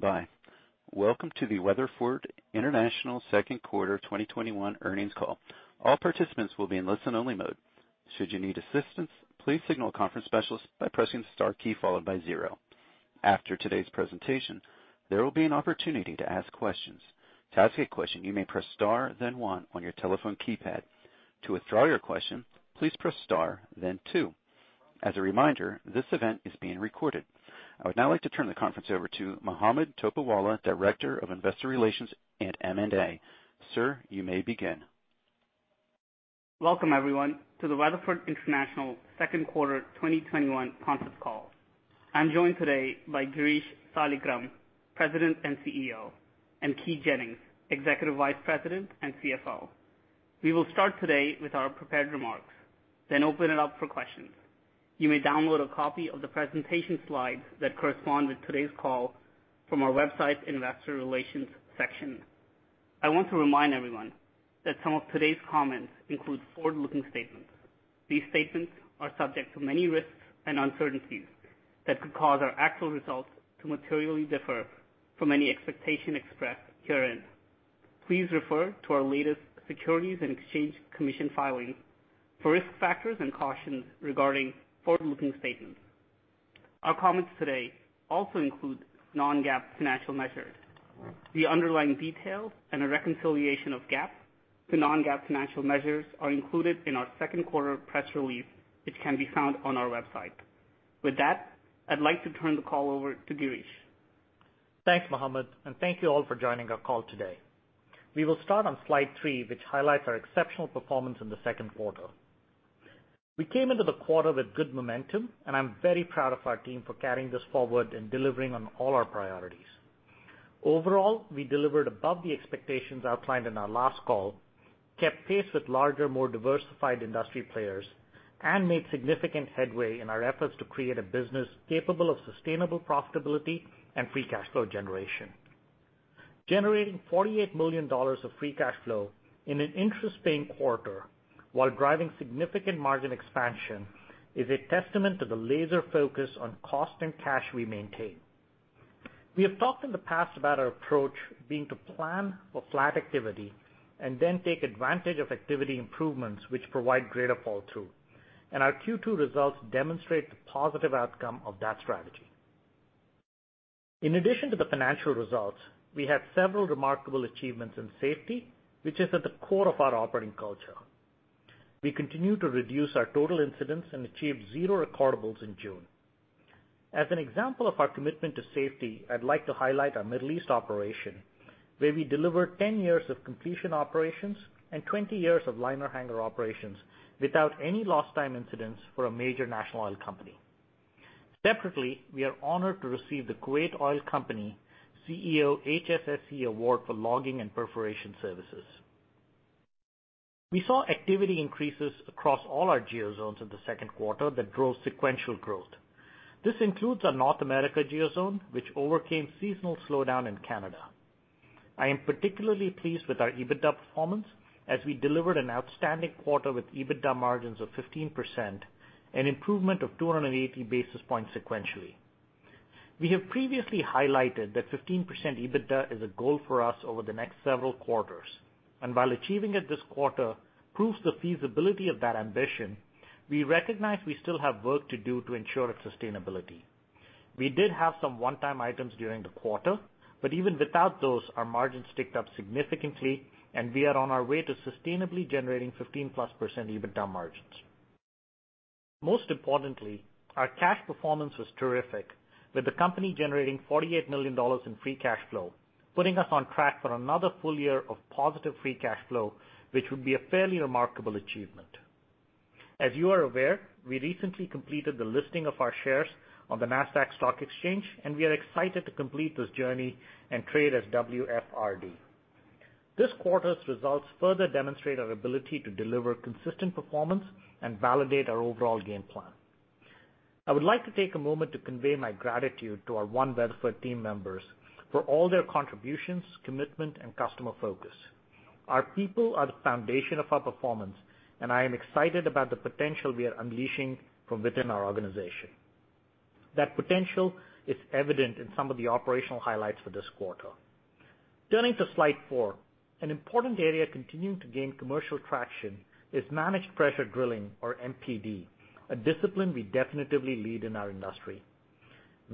Bye. Welcome to the Weatherford International second quarter 2021 earnings call. I would now like to turn the conference over to Mohammed Topiwala, Director of Investor Relations at M&A. Sir, you may begin. Welcome everyone to the Weatherford International second quarter 2021 conference call. I'm joined today by Girish Saligram, President and CEO, and Keith Jennings, Executive Vice President and CFO. We will start today with our prepared remarks. Open it up for questions. You may download a copy of the presentation slides that correspond with today's call from our website's investor relations section. I want to remind everyone that some of today's comments include forward-looking statements. These statements are subject to many risks and uncertainties that could cause our actual results to materially differ from any expectation expressed herein. Please refer to our latest Securities and Exchange Commission filing for risk factors and cautions regarding forward-looking statements. Our comments today also include non-GAAP financial measures. The underlying detail and a reconciliation of GAAP to non-GAAP financial measures are included in our second quarter press release, which can be found on our website. With that, I'd like to turn the call over to Girish. Thanks, Mohammed, and thank you all for joining our call today. We will start on slide three, which highlights our exceptional performance in the second quarter. We came into the quarter with good momentum, and I'm very proud of our team for carrying this forward and delivering on all our priorities. Overall, we delivered above the expectations outlined in our last call, kept pace with larger, more diversified industry players, and made significant headway in our efforts to create a business capable of sustainable profitability and free cash flow generation. Generating $48 million of free cash flow in an interest-paying quarter while driving significant margin expansion is a testament to the laser focus on cost and cash we maintain. We have talked in the past about our approach being to plan for flat activity and then take advantage of activity improvements which provide greater fall through, and our Q2 results demonstrate the positive outcome of that strategy. In addition to the financial results, we had several remarkable achievements in safety, which is at the core of our operating culture. We continue to reduce our total incidents and achieve zero recordables in June. As an example of our commitment to safety, I'd like to highlight our Middle East operation, where we delivered 10 years of completion operations and 20 years of liner hanger operations without any lost time incidents for a major national oil company. Separately, we are honored to receive the Kuwait Oil Company CEO HSSE Award for logging and perforation services. We saw activity increases across all our geo zones in the second quarter that drove sequential growth. This includes our North America geo zone, which overcame seasonal slowdown in Canada. I am particularly pleased with our EBITDA performance as we delivered an outstanding quarter with EBITDA margins of 15%, an improvement of 280 basis points sequentially. We have previously highlighted that 15% EBITDA is a goal for us over the next several quarters. While achieving it this quarter proves the feasibility of that ambition, we recognize we still have work to do to ensure its sustainability. We did have some one-time items during the quarter, but even without those, our margins ticked up significantly and we are on our way to sustainably generating 15-plus % EBITDA margins. Most importantly, our cash performance was terrific, with the company generating $48 million in free cash flow, putting us on track for another full year of positive free cash flow, which would be a fairly remarkable achievement. As you are aware, we recently completed the listing of our shares on the Nasdaq Stock Market, and we are excited to complete this journey and trade as WFRD. This quarter's results further demonstrate our ability to deliver consistent performance and validate our overall game plan. I would like to take a moment to convey my gratitude to our One Weatherford team members for all their contributions, commitment, and customer focus. Our people are the foundation of our performance, and I am excited about the potential we are unleashing from within our organization. That potential is evident in some of the operational highlights for this quarter. Turning to slide four, an important area continuing to gain commercial traction is managed pressure drilling or MPD, a discipline we definitively lead in our industry.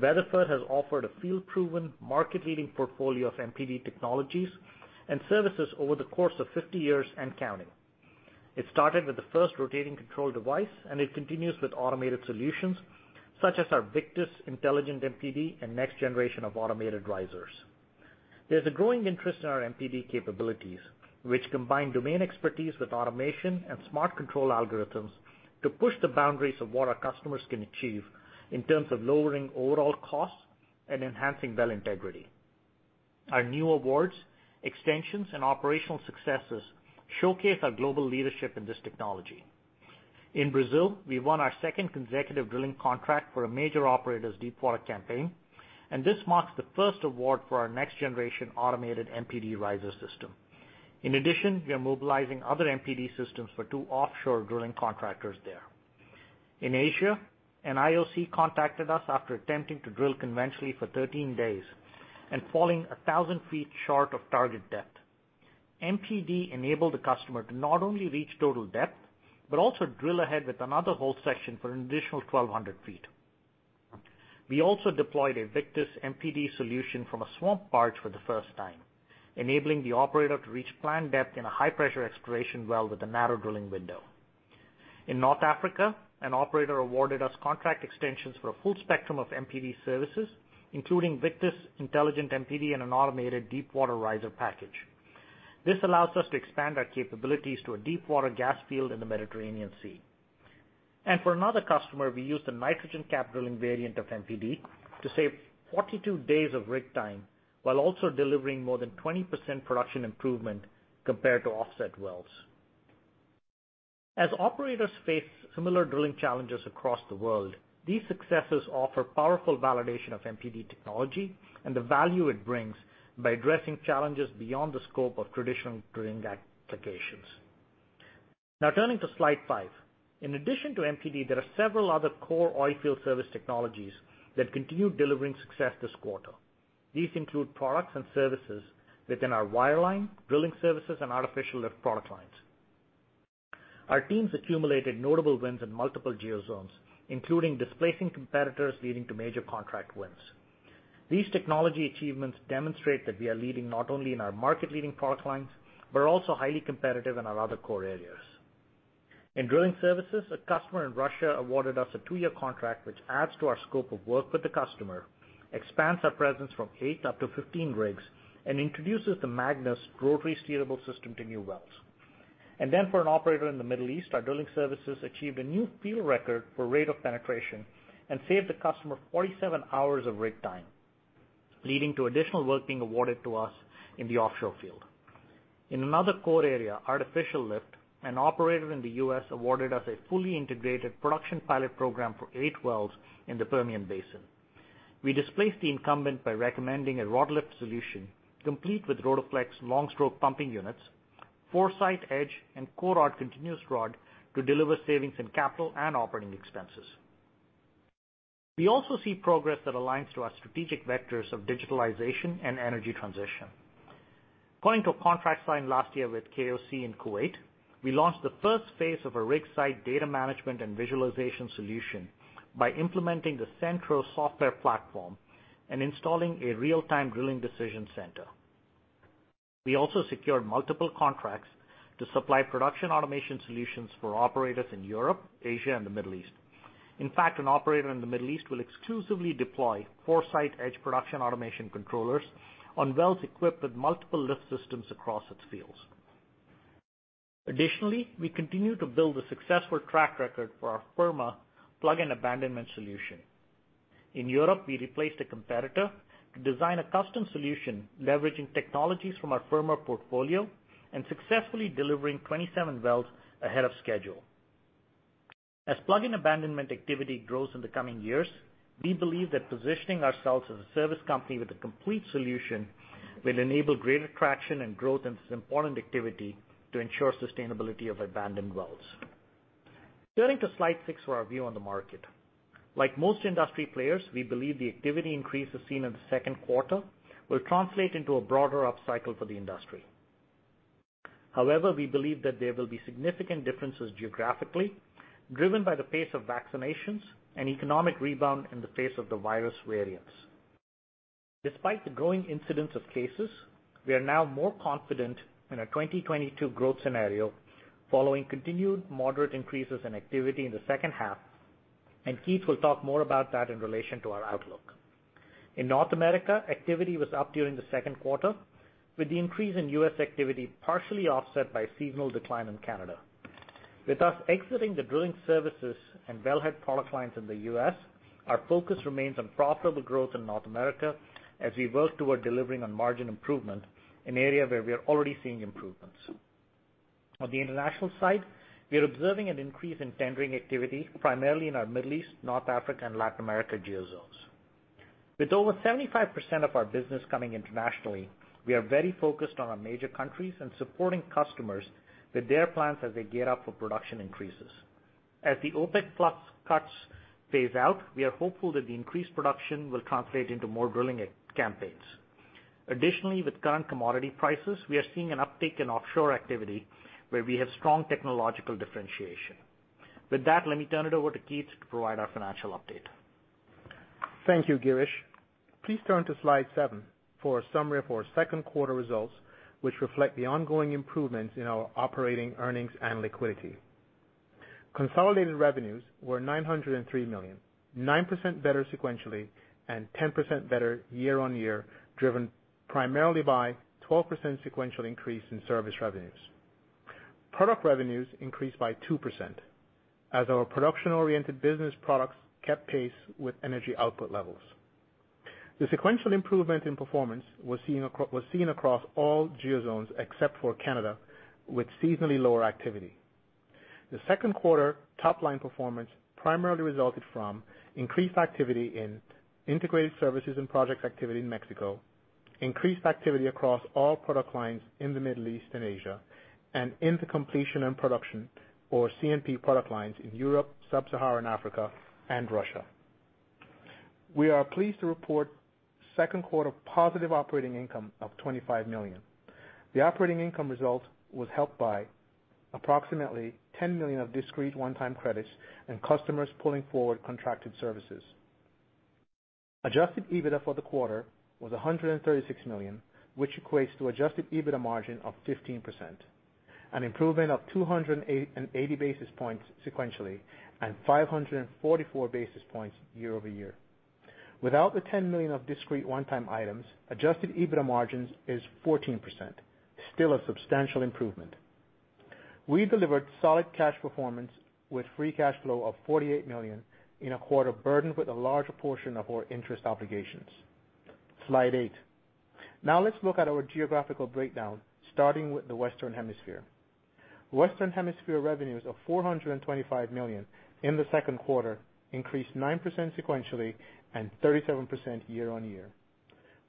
Weatherford has offered a field-proven, market-leading portfolio of MPD technologies and services over the course of 50 years and counting. It started with the first rotating control device, and it continues with automated solutions, such as our Victus intelligent MPD and next generation of automated risers. There's a growing interest in our MPD capabilities, which combine domain expertise with automation and smart control algorithms to push the boundaries of what our customers can achieve in terms of lowering overall costs and enhancing well integrity. Our new awards, extensions, and operational successes showcase our global leadership in this technology. In Brazil, we won our second consecutive drilling contract for a major operator's deepwater campaign, and this marks the first award for our next-generation automated MPD riser system. In addition, we are mobilizing other MPD systems for two offshore drilling contractors there. In Asia, an IOC contacted us after attempting to drill conventionally for 13 days and falling 1,000 feet short of target depth. MPD enabled the customer to not only reach total depth, but also drill ahead with another hole section for an additional 1,200 feet. We also deployed a Victus MPD solution from a swamp barge for the first time, enabling the operator to reach planned depth in a high-pressure exploration well with a narrow drilling window. In North Africa, an operator awarded us contract extensions for a full spectrum of MPD services, including Victus intelligent MPD and an automated deepwater riser package. This allows us to expand our capabilities to a deepwater gas field in the Mediterranean Sea. For another customer, we used a nitrogen cap drilling variant of MPD to save 42 days of rig time, while also delivering more than 20% production improvement compared to offset wells. As operators face similar drilling challenges across the world, these successes offer powerful validation of MPD technology and the value it brings by addressing challenges beyond the scope of traditional drilling applications. Turning to slide 5. In addition to MPD, there are several other core oilfield service technologies that continued delivering success this quarter. These include products and services within our wireline, drilling services, and artificial lift product lines. Our teams accumulated notable wins in multiple geo zones, including displacing competitors, leading to major contract wins. These technology achievements demonstrate that we are leading not only in our market-leading product lines, but are also highly competitive in our other core areas. In drilling services, a customer in Russia awarded us a 2-year contract which adds to our scope of work with the customer, expands our presence from 8 up to 15 rigs, and introduces the Magnus rotary steerable system to new wells. For an operator in the Middle East, our drilling services achieved a new field record for rate of penetration and saved the customer 47 hours of rig time, leading to additional work being awarded to us in the offshore field. In another core area, artificial lift, an operator in the U.S. awarded us a fully integrated production pilot program for 8 wells in the Permian Basin. We displaced the incumbent by recommending a rod lift solution, complete with Rotoflex long-stroke pumping units, ForeSite Edge and COROD continuous rod to deliver savings in capital and operating expenses. We also see progress that aligns to our strategic vectors of digitalization and energy transition. According to a contract signed last year with KOC in Kuwait, we launched the first phase of a rig site data management and visualization solution by implementing the Centro software platform and installing a real-time drilling decision center. We also secured multiple contracts to supply production automation solutions for operators in Europe, Asia, and the Middle East. In fact, an operator in the Middle East will exclusively deploy ForeSite Edge production automation controllers on wells equipped with multiple lift systems across its fields. Additionally, we continue to build a successful track record for our Firma plug and abandonment solution. In Europe, we replaced a competitor to design a custom solution leveraging technologies from our Firma portfolio and successfully delivering 27 wells ahead of schedule. As plug and abandonment activity grows in the coming years, we believe that positioning ourselves as a service company with a complete solution will enable greater traction and growth in this important activity to ensure sustainability of abandoned wells. Turning to slide six for our view on the market. Like most industry players, we believe the activity increases seen in the second quarter will translate into a broader upcycle for the industry. However, we believe that there will be significant differences geographically, driven by the pace of vaccinations and economic rebound in the face of the virus variants. Despite the growing incidence of cases, we are now more confident in our 2022 growth scenario following continued moderate increases in activity in the second half, and Keith will talk more about that in relation to our outlook. In North America, activity was up during the second quarter, with the increase in U.S. activity partially offset by seasonal decline in Canada. With us exiting the drilling services and well head product lines in the U.S., our focus remains on profitable growth in North America as we work toward delivering on margin improvement, an area where we are already seeing improvements. On the international side, we are observing an increase in tendering activity, primarily in our Middle East, North Africa, and Latin America geo zones. With over 75% of our business coming internationally, we are very focused on our major countries and supporting customers with their plans as they gear up for production increases. As the OPEC plus cuts phase out, we are hopeful that the increased production will translate into more drilling campaigns. Additionally, with current commodity prices, we are seeing an uptick in offshore activity where we have strong technological differentiation. With that, let me turn it over to Keith to provide our financial update. Thank you, Girish. Please turn to slide seven for a summary of our second quarter results, which reflect the ongoing improvements in our operating earnings and liquidity. Consolidated revenues were $903 million, 9% better sequentially and 10% better year-over-year, driven primarily by 12% sequential increase in service revenues. Product revenues increased by 2% as our production-oriented business products kept pace with energy output levels. The sequential improvement in performance was seen across all geo zones except for Canada, with seasonally lower activity. The second quarter top-line performance primarily resulted from increased activity in integrated services and projects activity in Mexico, increased activity across all product lines in the Middle East and Asia, and in the Completion and Production for C&P product lines in Europe, Sub-Saharan Africa, and Russia. We are pleased to report second quarter positive operating income of $25 million. The operating income result was helped by approximately $10 million of discrete one-time credits and customers pulling forward contracted services. Adjusted EBITDA for the quarter was $136 million, which equates to adjusted EBITDA margin of 15%, an improvement of 280 basis points sequentially, and 544 basis points year-over-year. Without the $10 million of discrete one-time items, adjusted EBITDA margins is 14%, still a substantial improvement. We delivered solid cash performance with free cash flow of $48 million in a quarter burdened with a large portion of our interest obligations. Slide 8. Let's look at our geographical breakdown, starting with the Western Hemisphere. Western Hemisphere revenues of $425 million in the second quarter increased 9% sequentially and 37% year-on-year.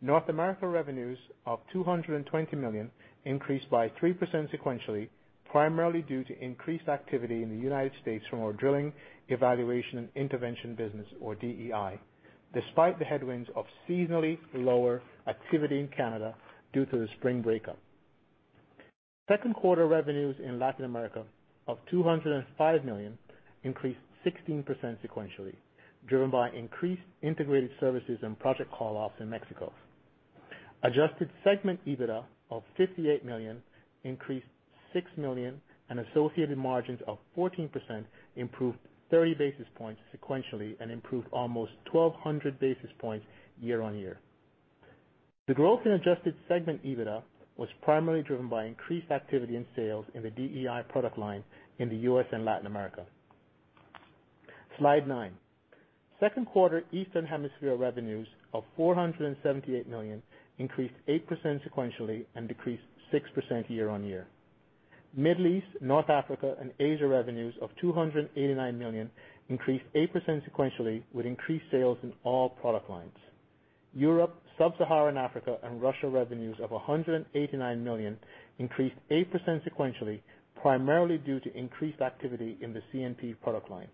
North America revenues of $220 million increased by 3% sequentially, primarily due to increased activity in the United States from our drilling, evaluation, and intervention business, or DEI. Despite the headwinds of seasonally lower activity in Canada due to the spring breakup, second quarter revenues in Latin America of $205 million increased 16% sequentially, driven by increased integrated services and project call-offs in Mexico. Adjusted segment EBITDA of $58 million increased $6 million, and associated margins of 14% improved 30 basis points sequentially, and improved almost 1,200 basis points year-on-year. The growth in adjusted segment EBITDA was primarily driven by increased activity in sales in the DEI product line in the U.S. and Latin America. Slide 9. Second quarter Eastern Hemisphere revenues of $478 million increased 8% sequentially and decreased 6% year-on-year. Middle East, North Africa and Asia revenues of $289 million increased 8% sequentially with increased sales in all product lines. Europe, Sub-Saharan Africa and Russia revenues of $189 million increased 8% sequentially, primarily due to increased activity in the C&P product line.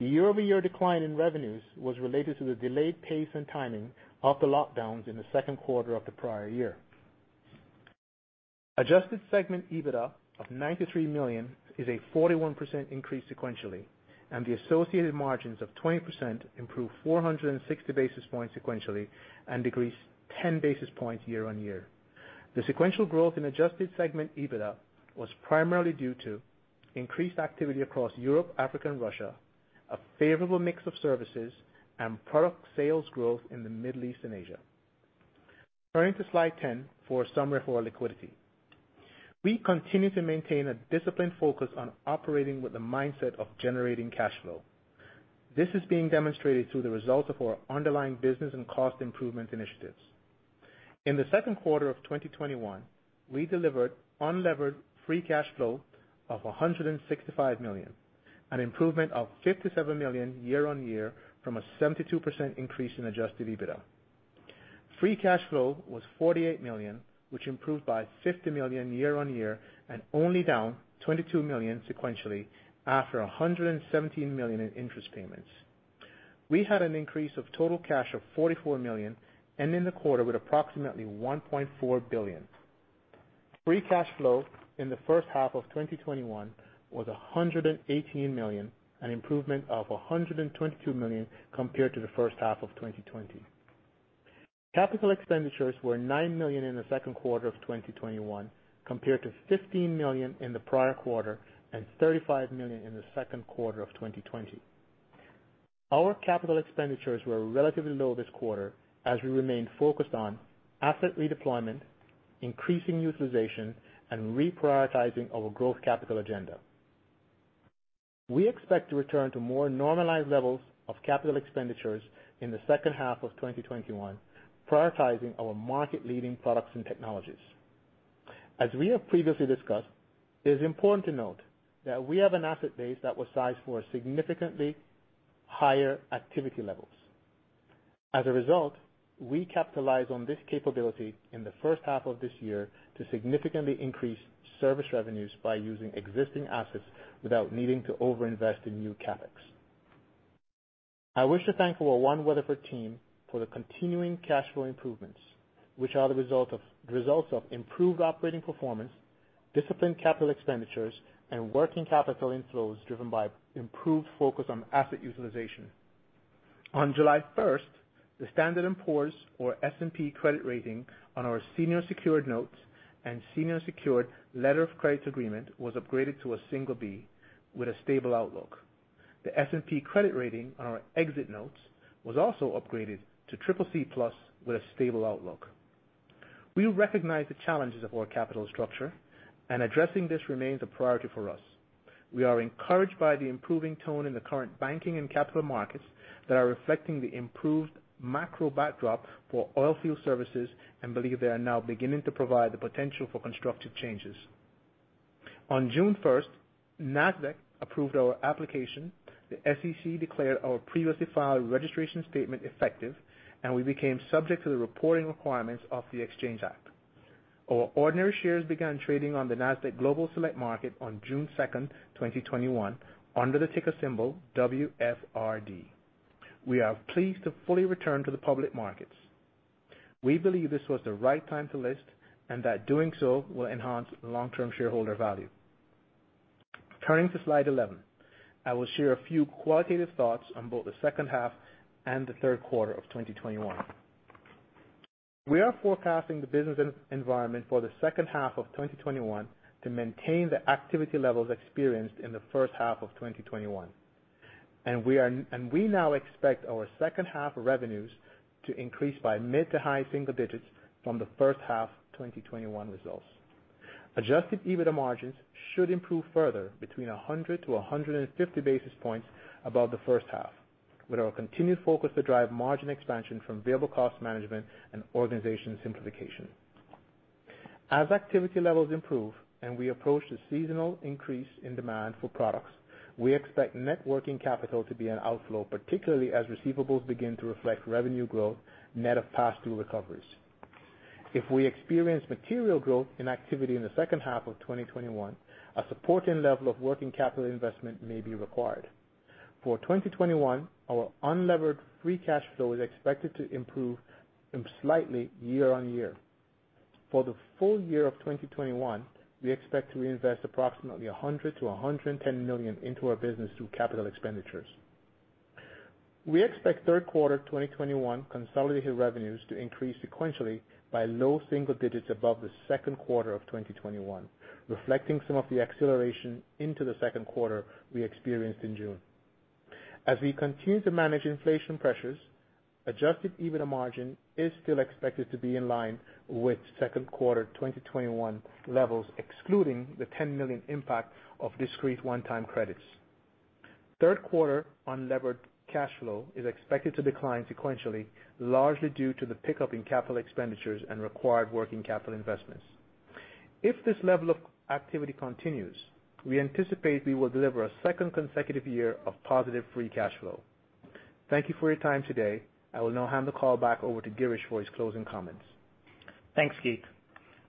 The year-over-year decline in revenues was related to the delayed pace and timing of the lockdowns in the second quarter of the prior year. Adjusted segment EBITDA of $93 million is a 41% increase sequentially. The associated margins of 20% improved 460 basis points sequentially and decreased 10 basis points year-on-year. The sequential growth in adjusted segment EBITDA was primarily due to increased activity across Europe, Africa, and Russia, a favorable mix of services, and product sales growth in the Middle East and Asia. Turning to slide 10 for a summary for our liquidity. We continue to maintain a disciplined focus on operating with the mindset of generating cash flow. This is being demonstrated through the results of our underlying business and cost improvement initiatives. In the second quarter of 2021, we delivered unlevered free cash flow of $165 million, an improvement of $57 million year-on-year from a 72% increase in adjusted EBITDA. Free cash flow was $48 million, which improved by $50 million year-on-year and only down $22 million sequentially after $117 million in interest payments. We had an increase of total cash of $44 million, ending the quarter with approximately $1.4 billion. Free cash flow in the first half of 2021 was $118 million, an improvement of $122 million compared to the first half of 2020. Capital expenditures were $9 million in the second quarter of 2021, compared to $15 million in the prior quarter and $35 million in the second quarter of 2020. Our capital expenditures were relatively low this quarter as we remained focused on asset redeployment, increasing utilization, and reprioritizing our growth capital agenda. We expect to return to more normalized levels of capital expenditures in the second half of 2021, prioritizing our market leading products and technologies. As we have previously discussed, it is important to note that we have an asset base that was sized for significantly higher activity levels. As a result, we capitalize on this capability in the first half of this year to significantly increase service revenues by using existing assets without needing to overinvest in new CapEx. I wish to thank our One Weatherford team for the continuing cash flow improvements, which are the results of improved operating performance, disciplined capital expenditures, and working capital inflows driven by improved focus on asset utilization. On July 1st, the Standard & Poor's, or S&P credit rating on our senior secured notes and senior secured letter of credits agreement was upgraded to a single B with a stable outlook. The S&P credit rating on our exit notes was also upgraded to CCC+ with a stable outlook. We recognize the challenges of our capital structure and addressing this remains a priority for us. We are encouraged by the improving tone in the current banking and capital markets that are reflecting the improved macro backdrop for oilfield services and believe they are now beginning to provide the potential for constructive changes. On June 1st, Nasdaq approved our application, the SEC declared our previously filed registration statement effective, and we became subject to the reporting requirements of the Exchange Act. Our ordinary shares began trading on the Nasdaq Global Select Market on June 2nd, 2021, under the ticker symbol WFRD. We are pleased to fully return to the public markets. We believe this was the right time to list, and that doing so will enhance long-term shareholder value. Turning to slide 11, I will share a few qualitative thoughts on both the second half and the third quarter of 2021. We are forecasting the business environment for the second half of 2021 to maintain the activity levels experienced in the first half of 2021. We now expect our second half revenues to increase by mid to high single digits from the first half 2021 results. Adjusted EBITDA margins should improve further between 100 to 150 basis points above the first half, with our continued focus to drive margin expansion from variable cost management and organization simplification. As activity levels improve and we approach the seasonal increase in demand for products, we expect net working capital to be an outflow, particularly as receivables begin to reflect revenue growth net of pass-through recoveries. If we experience material growth in activity in the second half of 2021, a supporting level of working capital investment may be required. For 2021, our unlevered free cash flow is expected to improve slightly year-on-year. For the full-year of 2021, we expect to reinvest approximately $100 million-$110 million into our business through capital expenditures. We expect third quarter 2021 consolidated revenues to increase sequentially by low single digits above the second quarter of 2021, reflecting some of the acceleration into the second quarter we experienced in June. As we continue to manage inflation pressures, adjusted EBITDA margin is still expected to be in line with second quarter 2021 levels, excluding the $10 million impact of discrete one-time credits. Third quarter unlevered cash flow is expected to decline sequentially, largely due to the pickup in capital expenditures and required working capital investments. If this level of activity continues, we anticipate we will deliver a second consecutive year of positive free cash flow. Thank you for your time today. I will now hand the call back over to Girish for his closing comments. Thanks, Keith.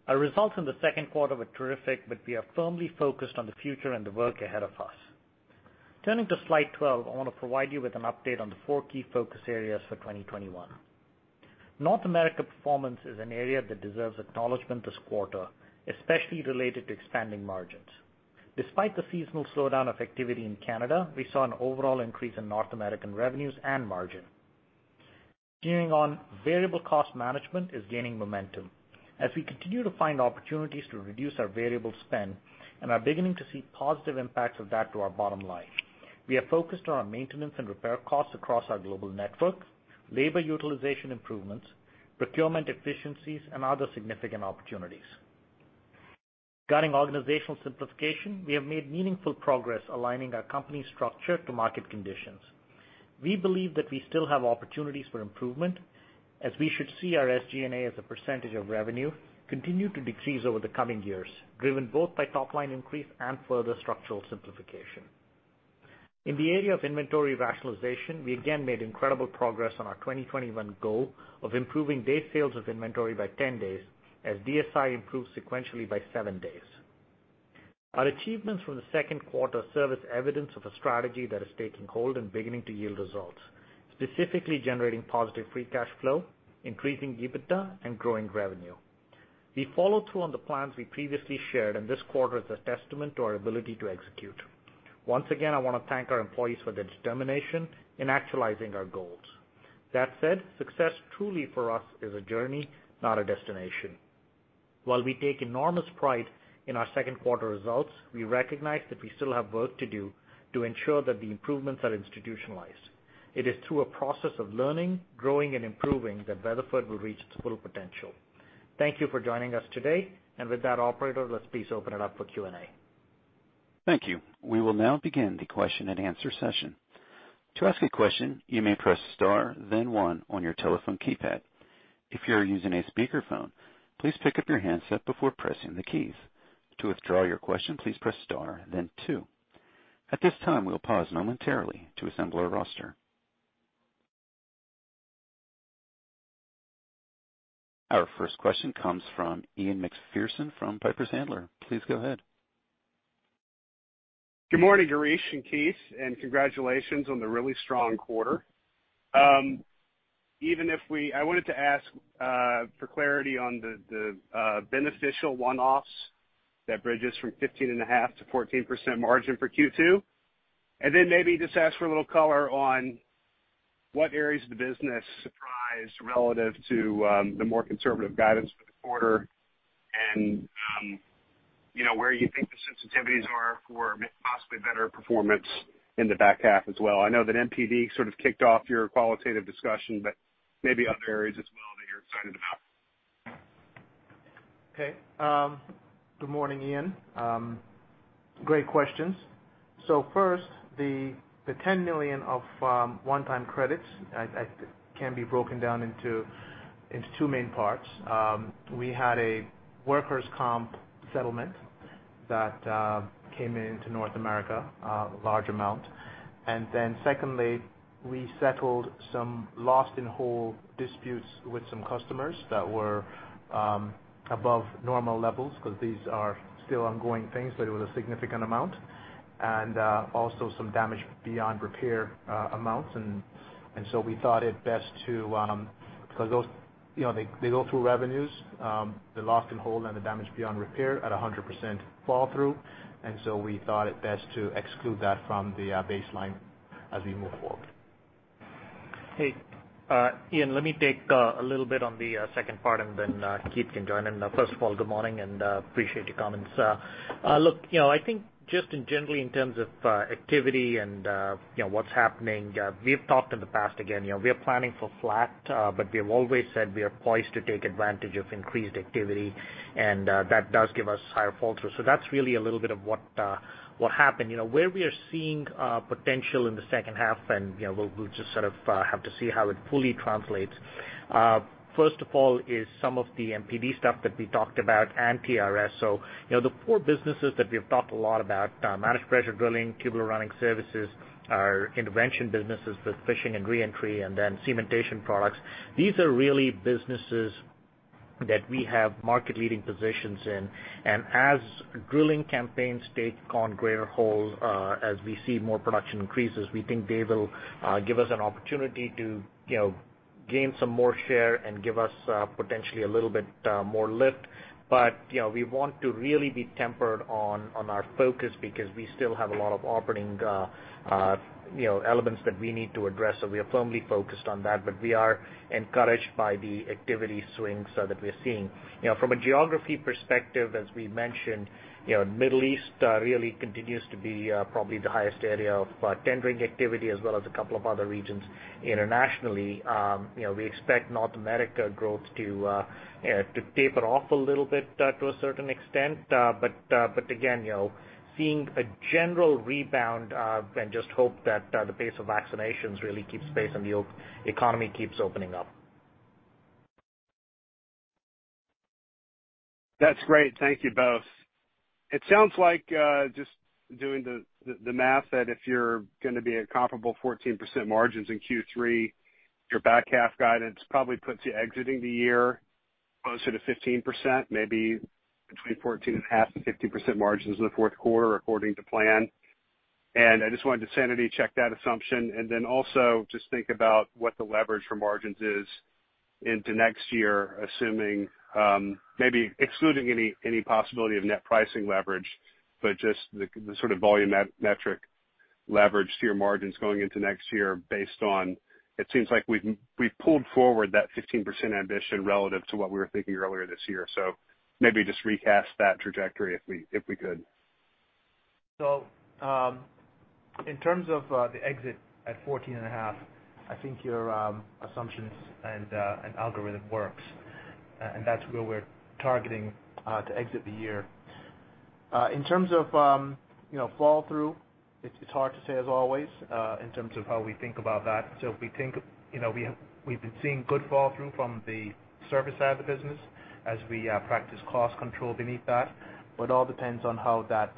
Our results in the second quarter were terrific, we are firmly focused on the future and the work ahead of us. Turning to slide 12, I want to provide you with an update on the four key focus areas for 2021. North America performance is an area that deserves acknowledgement this quarter, especially related to expanding margins. Despite the seasonal slowdown of activity in Canada, we saw an overall increase in North American revenues and margin. Continuing on, variable cost management is gaining momentum as we continue to find opportunities to reduce our variable spend and are beginning to see positive impacts of that to our bottom line. We are focused on our maintenance and repair costs across our global networks, labor utilization improvements, procurement efficiencies, and other significant opportunities. Regarding organizational simplification, we have made meaningful progress aligning our company structure to market conditions. We believe that we still have opportunities for improvement as we should see our SG&A as a percentage of revenue continue to decrease over the coming years, driven both by top-line increase and further structural simplification. In the area of inventory rationalization, we again made incredible progress on our 2021 goal of improving day sales of inventory by 10 days, as DSI improved sequentially by 7 days. Our achievements from the second quarter serve as evidence of a strategy that is taking hold and beginning to yield results, specifically generating positive free cash flow, increasing EBITDA, and growing revenue. We follow through on the plans we previously shared, and this quarter is a testament to our ability to execute. Once again, I want to thank our employees for their determination in actualizing our goals. That said, success truly for us is a journey, not a destination. While we take enormous pride in our second quarter results, we recognize that we still have work to do to ensure that the improvements are institutionalized. It is through a process of learning, growing, and improving that Weatherford will reach its full potential. Thank you for joining us today. With that, operator, let's please open it up for Q&A. Thank you. We will now begin the question and answer session. At this time, we'll pause momentarily to assemble our roster. Our first question comes from Ian Macpherson from Piper Sandler. Please go ahead. Good morning, Girish and Keith, congratulations on the really strong quarter. I wanted to ask for clarity on the beneficial one-offs that bridges from 15.5 to 14% margin for Q2. Then maybe just ask for a little color on what areas of the business surprised relative to the more conservative guidance for the quarter and where you think the sensitivities are for possibly better performance in the back half as well. I know that MPD sort of kicked off your qualitative discussion, but maybe other areas as well that you're excited about. Okay. Good morning, Ian. Great questions. First, the $10 million of one-time credits can be broken down into 2 main parts. We had a workers' comp settlement that came into North America, a large amount. Then secondly, we settled some lost and whole disputes with some customers that were above normal levels because these are still ongoing things, but it was a significant amount. Also some damage beyond repair amounts. We thought it best because they go through revenues, the lost and whole and the damage beyond repair at 100% fall through. We thought it best to exclude that from the baseline as we move forward. Hey, Ian, let me take a little bit on the second part, and then Keith can join in. First of all, good morning and appreciate your comments. Look, I think just in general in terms of activity and what's happening, we've talked in the past again. We are planning for flat, but we have always said we are poised to take advantage of increased activity and that does give us higher flow-through. That's really a little bit of what happened. Where we are seeing potential in the second half and we'll just sort of have to see how it fully translates. First of all is some of the MPD stuff that we talked about and TRS. The four businesses that we've talked a lot about managed pressure drilling, Tubular Running Services, our intervention businesses with fishing and re-entry, and then cementation products. These are really businesses that we have market leading positions in. As drilling campaigns take on greater hold, as we see more production increases, we think they will give us an opportunity to gain some more share and give us potentially a little bit more lift. We want to really be tempered on our focus because we still have a lot of operating elements that we need to address. We are firmly focused on that. We are encouraged by the activity swings that we're seeing. From a geography perspective, as we mentioned, Middle East really continues to be probably the highest area of tendering activity as well as a couple of other regions internationally. We expect North America growth to taper off a little bit to a certain extent. Again, seeing a general rebound and just hope that the pace of vaccinations really keeps pace and the economy keeps opening up. That's great. Thank you both. It sounds like just doing the math that if you're going to be at comparable 14% margins in Q3, your back half guidance probably puts you exiting the year closer to 15%, maybe between 14.5%-15% margins in the fourth quarter according to plan. I just wanted to sanity check that assumption and then also just think about what the leverage for margins is into next year, assuming maybe excluding any possibility of net pricing leverage, but just the sort of volume metric leverage to your margins going into next year based on it seems like we've pulled forward that 15% ambition relative to what we were thinking earlier this year. Maybe just recast that trajectory if we could. In terms of the exit at 14.5%, I think your assumptions and algorithm works. That's where we're targeting to exit the year. In terms of fall through, it's hard to say as always in terms of how we think about that. We've been seeing good fall through from the service side of the business as we practice cost control beneath that. It all depends on how that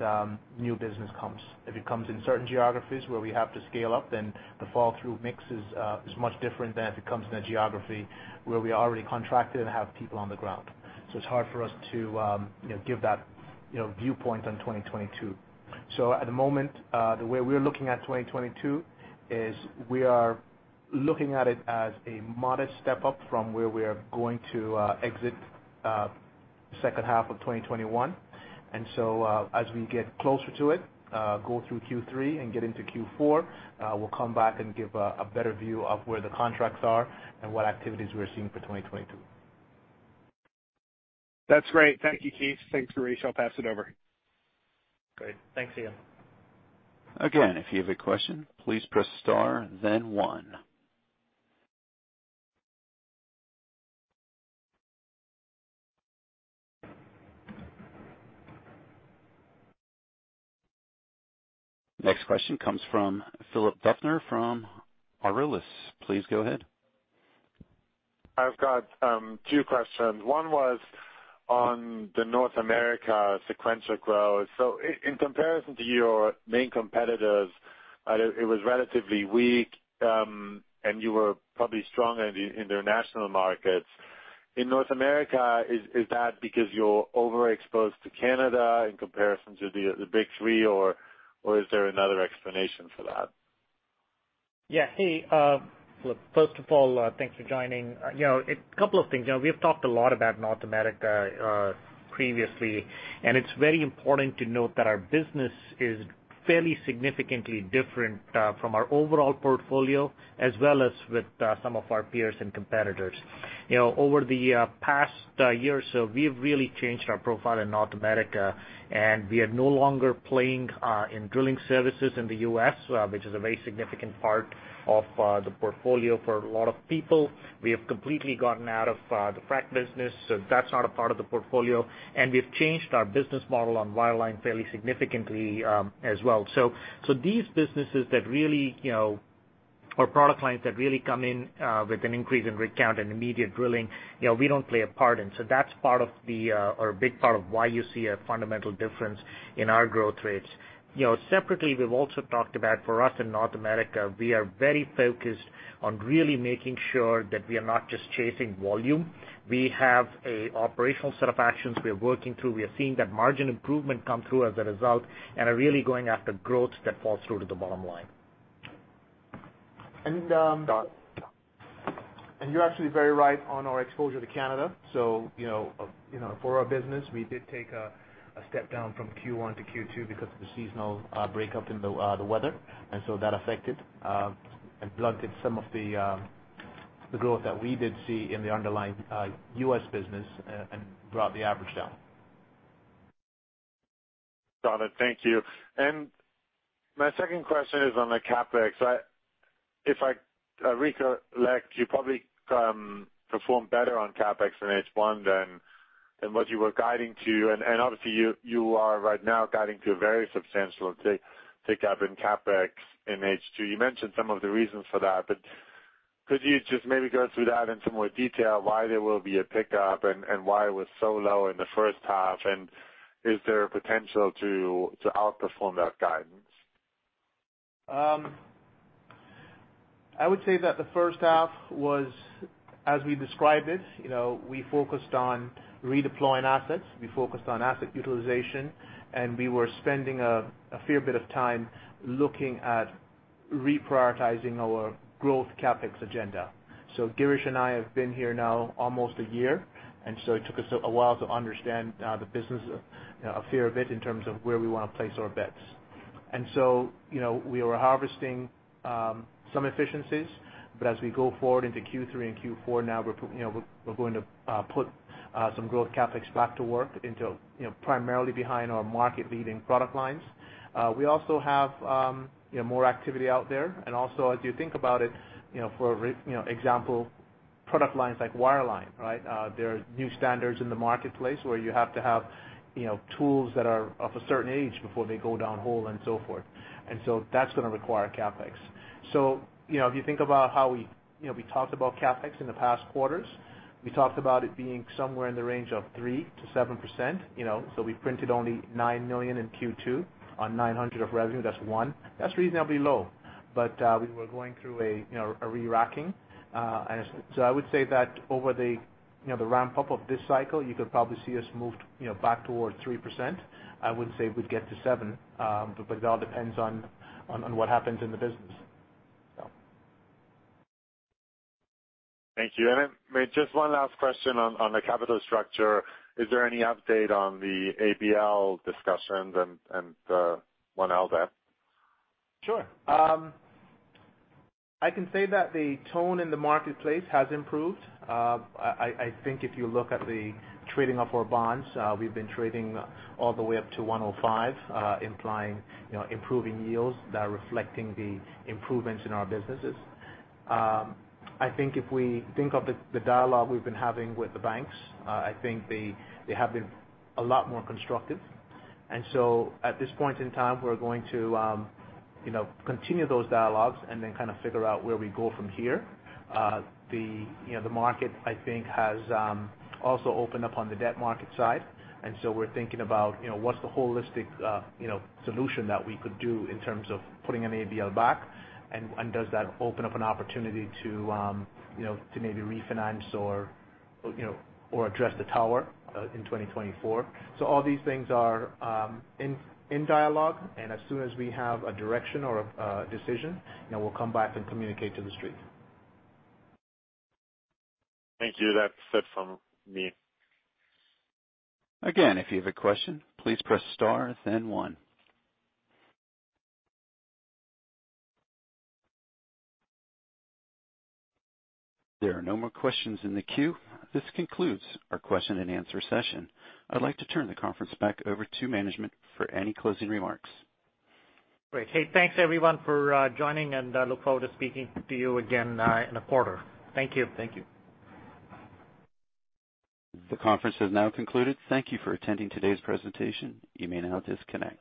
new business comes. If it comes in certain geographies where we have to scale up, then the fall through mix is much different than if it comes in a geography where we are already contracted and have people on the ground. It's hard for us to give that viewpoint on 2022. At the moment, the way we're looking at 2022 is we are looking at it as a modest step up from where we are going to exit the second half of 2021. As we get closer to it, go through Q3 and get into Q4, we'll come back and give a better view of where the contracts are and what activities we're seeing for 2022. That's great. Thank you, Keith. Thanks, Rakesh. I'll pass it over. Great. Thanks, Ian. Again, if you have a question, please press star then one. Next question comes from Philipp Duffner from Aurelius Capital Management. Please go ahead. I've got two questions. One was on the North America sequential growth. In comparison to your main competitors, it was relatively weak, and you were probably stronger in the international markets. In North America, is that because you're overexposed to Canada in comparison to the big three, or is there another explanation for that? Yeah. Hey, look, first of all, thanks for joining. A couple of things. We have talked a lot about North America previously. It's very important to note that our business is fairly significantly different from our overall portfolio as well as with some of our peers and competitors. Over the past year or so, we've really changed our profile in North America. We are no longer playing in drilling services in the U.S., which is a very significant part of the portfolio for a lot of people. We have completely gotten out of the frack business. That's not a part of the portfolio. We've changed our business model on wireline fairly significantly as well. Product lines that really come in with an increase in rig count and immediate drilling, we don't play a part in. That's a big part of why you see a fundamental difference in our growth rates. Separately, we've also talked about for us in North America, we are very focused on really making sure that we are not just chasing volume. We have an operational set of actions we are working through. We are seeing that margin improvement come through as a result, and are really going after growth that falls through to the bottom line. You're actually very right on our exposure to Canada. For our business, we did take a step down from Q1 to Q2 because of the seasonal breakup in the weather. That affected and blunted some of the growth that we did see in the underlying U.S. business and brought the average down. Got it. Thank you. My second question is on the CapEx. If I recollect, you probably performed better on CapEx in H1 than what you were guiding to. Obviously, you are right now guiding to a very substantial tick up in CapEx in H2. You mentioned some of the reasons for that, but could you just maybe go through that in some more detail, why there will be a pickup and why it was so low in the first half, and is there a potential to outperform that guidance? I would say that the first half was as we described it. We focused on redeploying assets, we focused on asset utilization, and we were spending a fair bit of time looking at reprioritizing our growth CapEx agenda. Girish and I have been here now almost 1 year, and so it took us a while to understand the business, a fair bit in terms of where we want to place our bets. We were harvesting some efficiencies, but as we go forward into Q3 and Q4 now, we're going to put some growth CapEx back to work primarily behind our market-leading product lines. We also have more activity out there. Also as you think about it, for example, product lines like wireline. There are new standards in the marketplace where you have to have tools that are of a certain age before they go downhole and so forth. That's going to require CapEx. If you think about how we talked about CapEx in the past quarters, we talked about it being somewhere in the range of 3%-7%. We printed only $9 million in Q2 on $900 of revenue. That's one. That's reasonably low. We were going through a re-racking. I would say that over the ramp-up of this cycle, you could probably see us move back towards 3%. I wouldn't say we'd get to 7, but that all depends on what happens in the business. Thank you. Just one last question on the capital structure. Is there any update on the ABL discussions and the one L there? Sure. I can say that the tone in the marketplace has improved. I think if you look at the trading of our bonds, we've been trading all the way up to 105, implying improving yields that are reflecting the improvements in our businesses. I think if we think of the dialogue we've been having with the banks, I think they have been a lot more constructive. At this point in time, we're going to continue those dialogues and then kind of figure out where we go from here. The market, I think, has also opened up on the debt market side. We're thinking about what's the holistic solution that we could do in terms of putting an ABL back, and does that open up an opportunity to maybe refinance or address the tower in 2024. All these things are in dialogue, and as soon as we have a direction or a decision, we'll come back and communicate to the street. Thank you. That's it from me. Again, if you have a question, please press star, then one. There are no more questions in the queue. This concludes our question and answer session. I'd like to turn the conference back over to management for any closing remarks. Great. Hey, thanks everyone for joining. I look forward to speaking to you again in a quarter. Thank you. Thank you. The conference has now concluded. Thank you for attending today's presentation. You may now disconnect.